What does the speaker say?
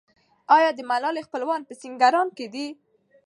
آیا د ملالۍ خپلوان په سینګران کې دي؟